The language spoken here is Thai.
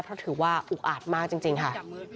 เพราะถือว่าอุกอาจมากจริงค่ะ